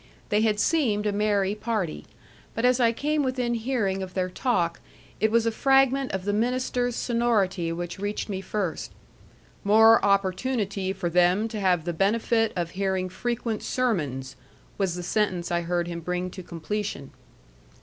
They had seemed a merry party. But as I came within hearing of their talk, it was a fragment of the minister's sonority which reached me first: " more opportunity for them to have the benefit of hearing frequent sermons," was the sentence I heard him bring to completion.